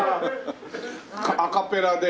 アカペラで。